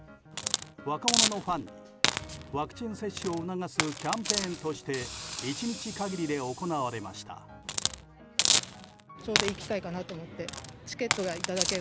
若者のファンにワクチン接種を促すキャンペーンとして１日限りで行われました。